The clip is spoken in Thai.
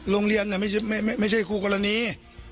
โรงเรียนก็ไม่ใช่ครูกรณี